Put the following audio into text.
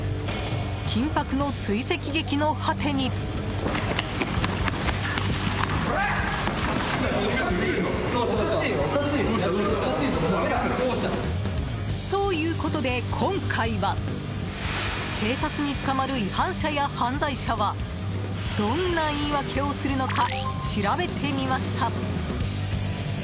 緊迫の追跡劇の果てに。ということで、今回は警察に捕まる違反者や犯罪者はどんな言い訳をするのか調べてみました。